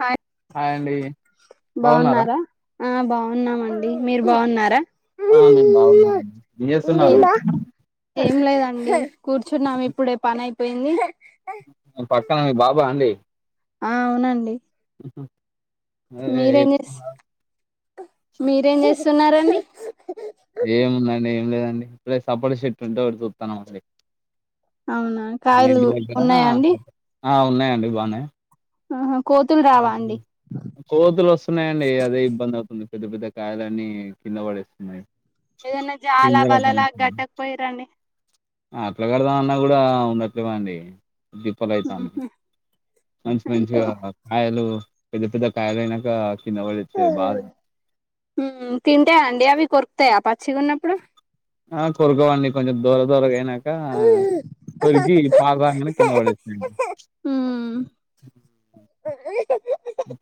Hi hi అండి బాగున్నారా ఆ బాగున్నామండి మీరు బాగున్నారా ఆ మేము బాగున్నాము ఏమి చేస్తున్నారు ఏం కూర్చున్నాము ఇప్పుడే పని అయిపోయింది పక్కన మీ బాబు ఆ అండి ఆ అవునండి ఏం మీరేం చేస్ చేస్తున్నారు మీరేం చేస్తున్నారండి ఏముందండి ఏం లేదండి ఇప్పుడే సపోట చెట్టు ఒటి చూతన్నం రే అవునా మా కాయలు ఇంటి దగ్గర ఉన్నాయా అండి ఆ ఉన్నాయండి బానే ఆహ కోతులు వస్తున్నాయండి అదే ఇబ్బంది అవుతుంది పెద్ద పెద్ద కాయలన్నీ కింద పడేస్తున్నాయి ఏదనా జాలా బల్లలా గట్టక పోయార అండి అట్లా కడదామన్నా కూడా ఉండట్లేదండి దిప్పలు ఉహు, అయితాంది మంచి అయ్యో మంచిగా కాయలు పెద్ద పెద్ద కాయలయినాక మ్ తింటా అండి అవి కొరుకుతాయా పచ్చిగా ఉన్నప్పుడు ఆ కొరకోవండి కొంచెం దోర దోరగ అయిన కొరికి పాల్ రాగనే కింద పడేస్తాయి మ్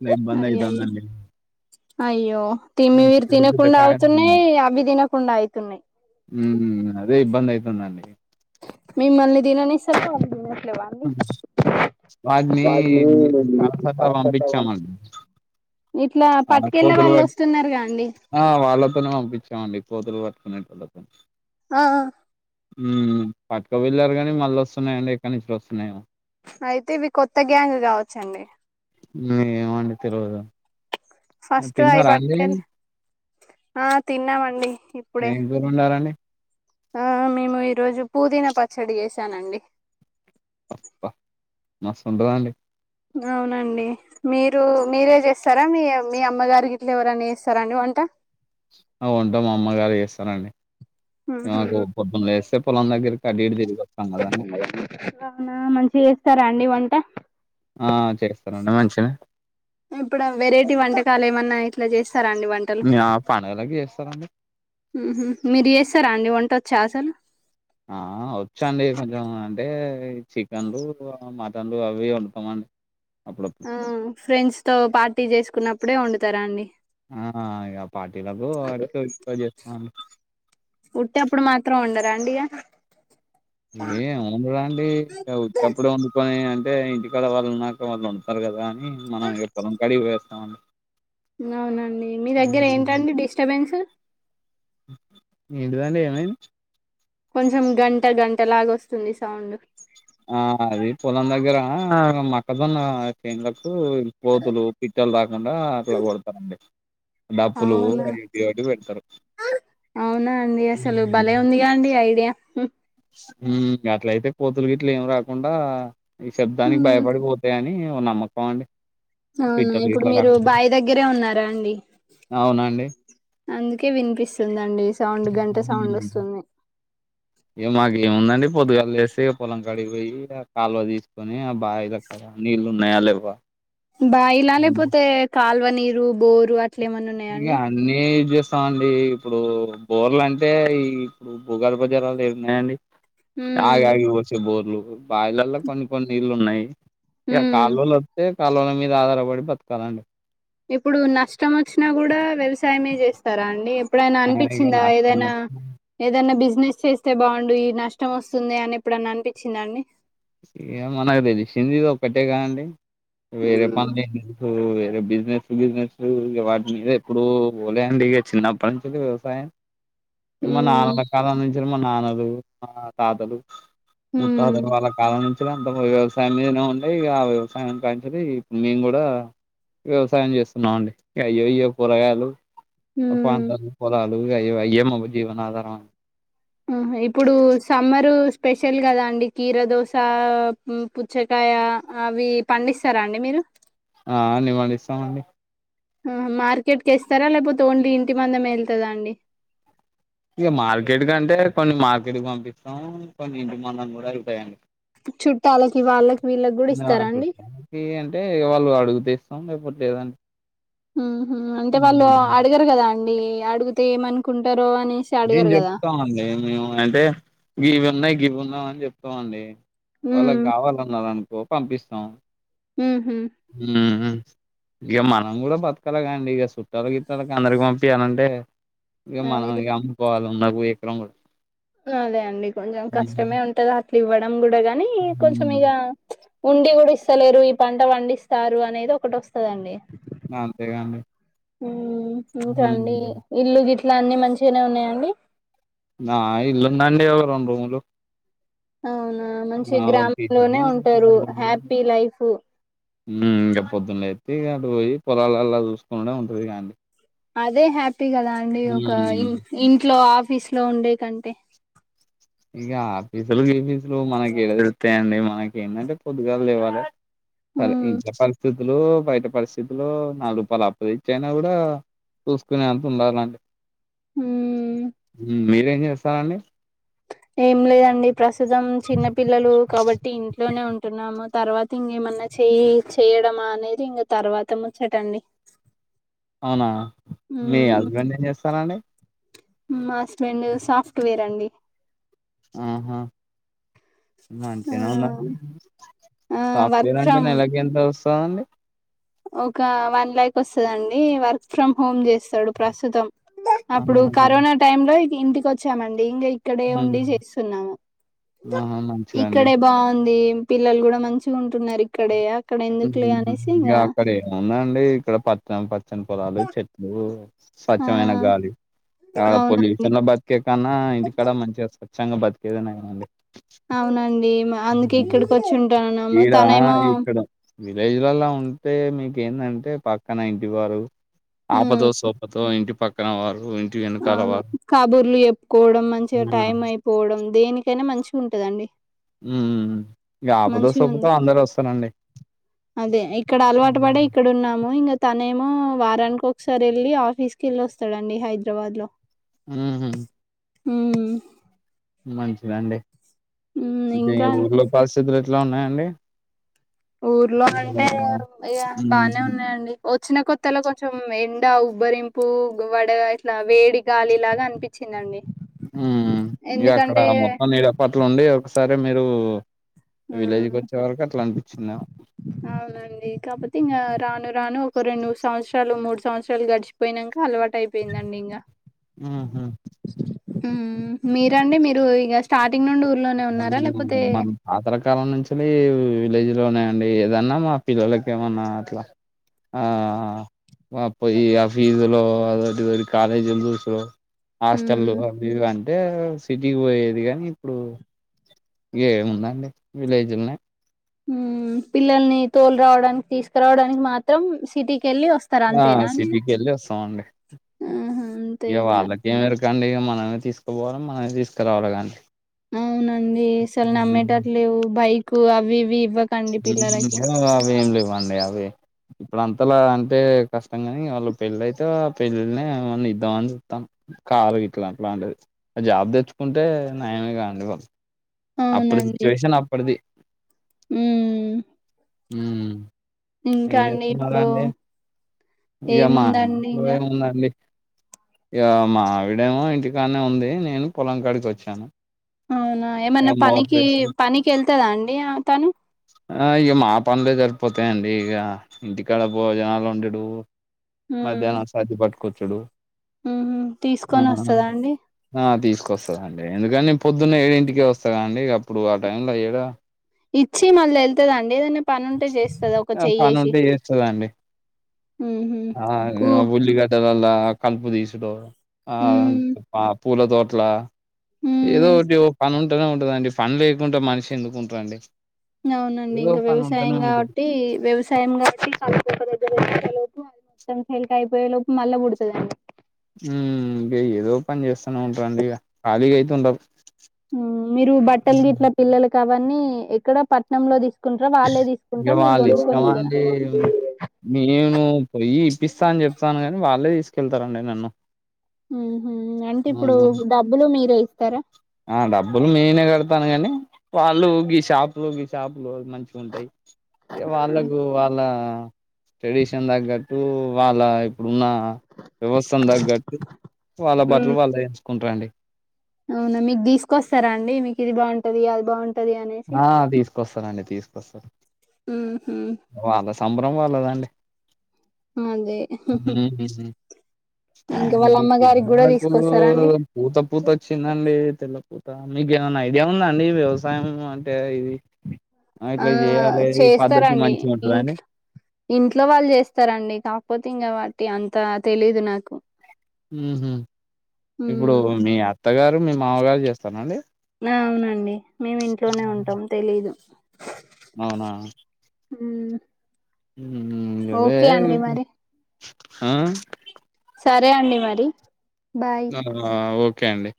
లైఫ్ ఇబ్బందయితాంది అండి అయ్యో తిమ్మి మీరు తినకుండా కాయలు అవుతున్నాయి అవి తినకుండా అయితున్నయ్ మ్ హు అదే ఇబ్బంది అయితది అండి మిమల్ని దిననిసెక అది దినది మ్ వాట్ని కలకత్తా పంపించాము అండి ఇట్లా ఆ పట్టుకెళ్ళే కోతులు వాళ్ళు పట్ వస్తున్నారుగా అండి ఆ వాళ్ళతోనే పంపించామండి కోతులు పట్టుకునేకి ఎళ్ళి వద్దం ఆ మ్ పట్టుకు వెళ్ళారు కానీ మళ్ళీ వస్తున్నాయండి ఎక్కడ నుంచి వస్తున్నాయో అయితే ఇవి కొత్త గ్యాంగ్ గావ నాకు ఏమ్ వంట తెల్వదు ఫస్ట్ అయి పట్టుకెళ్ ఆ తిన్నామండి ఇప్పుడే ఏం కూర వండారండి ఆ మేము ఈరోజు పుదీనా పచ్చడి చేసానండి అబ్బ మస్త్ ఉంటదాండి అవునండి మీరు మీరే చేస్తారా మీ మీ అమ్మగారికి గిట్లా ఎవరనా చేస్తారా అండి వంట ఆ వంట మా అమ్మగారే చేస్తారండి మాకు పొద్దున లేస్తే పొలం దగ్గర పని ఏం లేదుగ అవునా మంచిగా చేస్తారా అండి వంట ఆ చేస్తానండి మంచి గనే ఇప్పుడు వెరైటీ వంటకాలు ఏమన్నా ఇట్లా చేస్ స్తార అండి వంటలు ఆ పండుగలకి చేస్తారండి మ్ హు మీరు చేస్తా అండి వంటొచ్చా అస్సలు ఆ వచ్చాండి కొంచెం అంటే చికెన్లు మటన్లు అవి వండుతామండి అప్పుడప్పుడు ఆ ఫ్రెండ్స్ తో పార్టీ చేసుకున్నప్పుడే వండుతారా అండి ఆ ఇగ పార్టీలకు వాటికి ఎక్కువ చేస్తున్నాను వుట్టి అప్పుడు మాత్రం వండరా అండి ఇగ ఏం వండుడండి ఉత్తి అప్పుడు వండుకొని అంటే ఇంటికాడ వాళ్ళు నాకు వాళ్ళు వండుతారు కదా అని మనం పొలం కాడికి పోయి వస్తామండి అవునండి మీ దగ్గర ఏంటండి డిస్టబెన్స్ ఎంటిదండి ఏమైంది కొంచెం గంట గంట లాగ వస్తుంది సౌండ్ ఆ అది పొలం దగ్గర మక్కజోన్న చే కోతులు పిట్టలు రాకుండా అట్లా కొడతారండి డప్పులు అవునా అవివి అటి పెడతారు అవునా అండి అసలు భలే ఉందిగా అండి హ హ అట్లయితే కోతులు గ ఇట్లు ఏమి రాకుండా ఈ శబ్దానికి భయపడిపోతాయి అని నమ్మకం అండి అవునా పిట్టలు ఇప్పుడు గిట్ల మీరు రాకుండా. బావి దగ్గరే ఉన్నారా అండి అవునా అండి? అందుకే వినిపిస్తుందండి సౌండ్ గంట సౌండ్ వస్తుంది ఇ మాక ఏముందండి పొద్దుగాలు లేసి పొలం కడిగిపోయి కాలువ తీసుకొని ఆ బావి లో నీళ్ళు ఉన్నాయి లేవ బాయిలా లేకపోతే కాల్వనీరు బోరు అ ఇగ అన్ని ఇాఅండి ఇప్పుడు బోర్లు అంటే ఈ ఇప్పుడు భూగర్భ జలాలు ఏమిన్నాయండి ఆగి ఉమ్ ఆగి వచ్చే బోర్లు బావిలలో కొన్ని కొన్ని నీళ్లు ఉన్నాయి ఇక ఉమ్ కాల్వలు వస్తే కాళవల మీద ఆధారపడి బతకాలండి ఇప్పుడు నష్టం వచ్చినా కూడా వ్యవసాయమే చేస్తారా అండి ఎప్పుడైనా ఆ! ఇగ అనిపించిందా నాశనం ఏదైనా ఏదైనా బి బిజినెస్ చేస్తే బాగుండు నష్టం వస్తుంది అని ఇప్పుడన అనిపించిందండి ఇ మనకు తెలిసింది ఇది ఒక్కటే కాదండి వేరే ఉమ్ పనులు ఏ తెలు బిజినెస్ బిజినెస్ ఇ వాటి మీద ఎప్పుడు పోలేండి ఇక చిన్నప్పటి నుంచి వ్యవసాయం మా ఉమ్ నాన్న కలల అందించిన మా నాన్నలు మా తాతలు [inaudible] ఉమ్ ముత్తాతలు వాళ్ళు నుంచి అంత వ్యవసాయం మీద ఉండే ఆ వ్యవసాయం కాంచిది ఇప్పుడు మేము కూడా వ్యవసాయం చేస్తున్నాము అండి అయ్యో అయ్యో కూరగాయలు పా ఉమ్ పోలాలు ఏమా మాకు జీవన ఆధార ఆహా ఇప్పుడు సమ్మరు స్పెషల్ కదా అండి కీరా దోశ పుచ్చకాయ అవి పండిస్తారా అండి మీరు ఆ అన్ని పండిస్తామండి ఆ మార్కెట్ క ఇస్తారా లేకపోతే ఓన్లీ ఇంటి మందం వెళ్తుందా అండి ఇక మార్కెట్ కంటే కొన్ని మార్కెట్ పంపిస్తాం కొన్ని ఇంటి మందం కూడా అయితాయండి అఓ నా అండి చుట్టడానికి అంటే వాళ్ళు అడుగుతే ఇస్తాం లేేవన్ ఉహ అంటే వాళ్ళు అడగరు కదా అండి అడిగితే ఏమనుకుంటారు నేను చెప్తామండి మేము అంటే ఇవి ఉన్నాయి గీవి ఉన్నాం అని చెప్తామండి వాళ్ళకి ఉమ్ కావాలన్న అనుకో పంపిస్తాం ఉహు ఉమ్ ఇక మనం కూడా బతకాలగాండి ఇక చుట్టాల గిట్టాలకి అందరికి పంపిఎలాంటి ఇంకా అదే మనం ఇ అమ్ముకోల ఉన్న ఎకరం కూడా అదే అండి కొంచెం హ్మ్. కష్టమే ఉంటది అట్లు ఇవ్వడం కూడా గాని కొంచం హ్మ్. ఇగ ఉండి కూడా ఇస్తలేరు ఈ పంట పండిస్తారు అనేది ఒకటి వస్తుందండి అంతేగాండి హ్మ్. ఇంకాండి ఇల్లు గిట్లా అన్ని మంచిగానే ఉన్నాయండి నా ఇల్లుందండి ఒక రెండు రూమ్లు అవునా మంచి గ్రామం లోనే కిచెను ఉంటారు హ్యాపీ లైఫ్ ఇంకా పొద్దున్న లేటి ఇటు పోయి పొలాలలా చూసుకునే ఉంటది కదండీ అదే హ్యాపీ కదా అండి ఒక ఇంట్లో ఆఫీస్ లో ఉండే కంటే ఇక ఆ ఫీసులు ఏ ఫీసులు మనకి ఏడా తెలుస్తాయండి మనకి ఏంటంటే పొద్దుగాల లేవాలి సరే ఉమ్ ఇంటి పరిస్థితులు బయట పరిస్థితులు నాలుగు రూపాయలు ఆప్పులు తెచ్చియిన కూడా చూసుకునే అంత ఉండాలండి ఉమ్ మీరేం చేస్తారండి ఏం లేదండి ప్రస్తుతం చిన్న పిల్లలు కాబట్టి ఇంట్లోనే ఉంటున్నాము తర్వాత ఇంకేం మన్నా చేయి చేయడమా అనేది ఇంకా తర్వాత ముచ్చటండి అవునా మీ ఉమ్ హస్బెండ్ ఏం చేస్తరండి మా హుస్బేండ్ సాఫ్ట్వేర్ అండి ఆహా ఆ మంచిగానే ఉన్నారు అండీ ఆ వర్క్ సాఫ్ట్వేర్ అంటే ఫ్రమ్ నెలకు ఎంత వస్ రాండి ఒక వన్ లాక్ వస్తుందండి వర్క్ ఫ్రమ్ హోమ్ చేస్ స్తాడు ప్రస్తుతం అప్పుడు ఆహా కరోనా టైం లో ఇగ ఇంటికి వచ్చామండి ఇంగ ఇ ఇక్కడే ఉండి చేస్తున్నాము ఆహా మంచిదండి ఇక్కడే బాగుంది పిల్లలు కూడా మంచిగా ఉంటున్నారు ఇక్కడ ఊహు ఊ ఆక్కడ అవునా అండి ఇక్కడ పచ్చ పచ్చని పొలాలు చెట్లు ఆ స్వచ్ఛమైన గాలి ఆడ అవునండి పొల్యూషన్ లో బతికే కన్నా ఇంటికాడ మంచిగా స్వచ్ఛంగా బతికేదే నయమండి అవున అండి అందుకే ఇక్కడికి వచ్చుంటాన్నాము తనేమో విలేజ్లల ఉంటే మీకేందంటే పక్కన ఇంటి వారు ఆపతో ఉమ్ సోపతో ఇంటి పక్కన వారు ఇం అవును కాబూర్లు చెప్పుకోవడం మంచిగా టైం అయిపోవడం దేనికైనా మంచి ఉం ట్టదండి ఊ ఊ ఊ ఇగ ఆపతో సోపతో ఉంది అందరు వస్తారండీ అదే ఇక్కడ అలవాటు పడే ఇక్కడ ఉన్నాము ఇంకా తనేమో వారానికి ఒకసారి వెళ్ళి ఆఫీస్ కి వెళ్ళి వస్తాడండి హైదరాబాద్ లో ఊహు ఊ మంచిదండి ఉమ్ ఇపుడు ఈ ఇంకా ఊర్ల పరిస్థితులు ఎట్లా ఉన్నాయండి ఊర్లో అంటే ఇగ ఉమ్ బానే ఉన్నాయండి వచ్చిన కొత్తలో కొంచెం ఎండ ఉబ్బరింపు వడ ఇట్లా వేడి గాలిలాగా అనిపించింది తినండి ఊ ఇగ అక్కడ మొత్తం నీడపట్ల ఉండి ఒకసారి మీరు విలేజ్కి ఉమ్ వచ్చే వరకు అట్లా అనిపించిదిదేమో అవునండి కాకపోతే ఇంకా రాను రాను ఒక రెండు సంవత్సరాలు మూడు సంవత్సరాలు గడిచిపోయినాక అలవాటు అయిపోయిందండి ఇంకా ఉహు ఊ మీరండి మీరు ఇక స్టార్ట్ అందుకే మన తాతల కాలం నుంచెలి కాలేజ్ లోనేయండి ఏదన్నా మా పిల్లలకి ఏమన్నా అట్లా ఆ వపో ఈ ఆ ఫీజులు అదోటి ఇదోటీ కాలేజీలు సో హాస్టల్లు ఉమ్ అవి ఇవి అంటే సిటీకి పోయేది కాని ఇప్పుడు ఏముందండి విలేజీలనే ఊ పిల్లల్ని తోలు రావడానికి తీసుకురావడానికి మాత్రం సిటీ ఆ సిటీకి వెళ్ళి వస్తామండి ఆహా అంతే ఇక ఇంగ వాళ్ళకేమి ఎరుక కండి మనమే తీసుకుపోవాలి మనమే తీసుకురావాలి కదండి అవునండి అసలు నమ్మేటటు లేవు బైకు అవి ఇవి ఇవ్వకండి పిల్లలకి ఇయ్యో అవి ఏం లేవండి అవే ఇప్పుడు అంతలా అంటే కష్టం కానీ ఇగ వాళ్ళు పెళ్ళ అయితే ఆ పెళ్ళలనే ఏమన్న ఇద్దామని జుతన కారు ఇట్లా అట్లాంటిది జాబ్ తెచ్చుకుంటే నయమే కాండి వాళ్ళు అప్పుడు అవునండి సిచువేషన్ అప్పడిది ఉమ్ ఊ ఇంకా ఏం అండి చేస్తున్నారా ఇప్పుడు అండి ఇగ మా ఏముందండి ఇంట్లో ఇంగ ఏముందండి ఇగ మావిడేమో ఇంటికానే ఉంది నేను పొలం కాడికి వచ్చాను అవునా ఇక ఏమన్నా మోటర్ పనికి వేసుకొని పనికి వెళ్తుందా అండి తను ఆ ఇ మా పన్లే జరి పోతాయండి ఇక ఇంటికాడ భోజనాలు ఉండడు ఉమ్ మధ్యాహ్నం సాధ్యపటు కొచ్చుడు ఉహు ఆ తీసుకొని వస్తదా అండి ఆ తీస్ వస్తదండి ఎందుకని పొద్దున్న ఏడింటికే వస్తదండి అప్పుడు ఆ టైం లో ఏడ ఇచ్చి మళ్ళీ వెళ్తుంద అండి ఏదనా పని ఉంటే చేస్తది ఒక చెయ్యేసి అ ఉహు కు ఆ ఉల్లిగడ్డల కలుపు తీసుడు ఆ ఉమ్ పా పూల తోట్లా ఏదో ఉమ్ ఒకటి పనున్ టనే ఉంటదండి పని లేకుంటే మనిషి ఎందుకు ఉంటడండి అవునండి ఇంకా వ్యవసాయం కాబట్టి వ్యవసాయం కాబట్టి కా [unintelligible] కాయ అయిపోయే లోపల మల్లా పుడతది హూ ఇంక ఏదో పని చేస్తానే ఉంటారండి ఇగ ఖాళీగా అయితే ఉండము మీరు బట్టలు గిట్ల పిల్లలు కావీ ఎక్కడ పట్నంలో తీసుకుంటార వాళ్ళే ఇగ తీసుకుంటార మీరు వాళ్ళ ఇష్టం కొనుకొనిస్తారా అండి నేను పొయ్యి ఇప్పిస్తా అని చెప్తాను కాని వాళ్ళే తీసుకెళ్తారండి నన్ను హుహు. అంటే ఇప్పుడు డబ్బులు మీరే ఇస్తారా? ఆ డబ్బులు నేనే కడ్ తను కాని వాళ్ళు ఈ షాపులు ఈ షాపులు మంచి హ్మ్. వాళ్ళకు వాళ్ళ ట్రెడిషన్ తగ్గట్టు వాళ్ళ ఇప్పుడున్న వ్యవస్థను తగ్గట్టి వాళ్ళ బట్టలు హ్మ్. వాళ్ళ తెచ్చుకుంటారు అండి అవునా! మీకు తీసుకొస్తారా అండి? ఇది బాంటది అది బాన్ ఆ తీసుకొస్తనండి తీసుకొస్తా ఉ వాళ్ళ సంభరం వాళ్ళదండి అదే ఇంకా అ వాళ్ళ అమ్మగారికి గూడా పిల్లకు తీసుకొస్తారా అండి? పూత పూత వచ్చిందండి తెల్ల మీకు ఏమైనా ఐడియా ఉందా అండి వ్యవసాయం అంటే ఇది ఆ ఇట్లే జేయాల ఈ పద్ధతి చేస్తారండి. మన్ ఇంట్ ఇంట్లో వాళ్ళు చేస్తారండి కాపో వొత్తిన్ కాబట్టి అంతా తెలీదు నాకు ఉ ఇప్పుడు హ్మ్. మీ అత్తగారు మీ మామగారు చేస్తానండి అవునండి మేము ఇంట్లోనే ఉంటాం తెలీదు అవునా ఉ ఉ గదే హా సరే అండి మరి బాయ్ ఆ ఓకే అండి